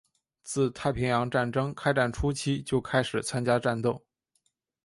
自太平洋战争开战初期就开始参加战斗。